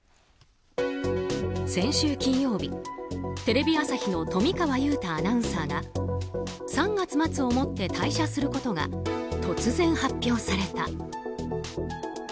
先週金曜日、テレビ朝日の富川悠太アナウンサーが３月末をもって退社することが突然発表された。